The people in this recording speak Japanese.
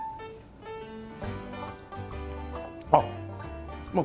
あっまあ